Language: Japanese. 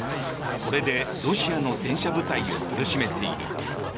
これでロシアの戦車部隊を苦しめている。